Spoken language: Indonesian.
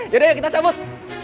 yaudah yuk kita cabut